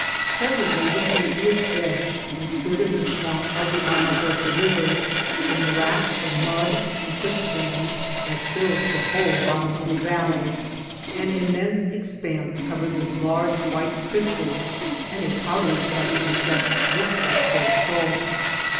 Presently we came to its edge and skirted the swamp of the Armagosa River, the morass of mud and quicksands which fills the whole bot tom of the valley, an immense expanse covered ["3] White Heart of Mojave with large white crystals and a powdery sub stance that looks like coarse salt.